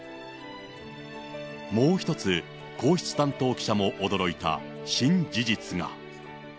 もう一つ、皇室担当記者も驚いた新事実が。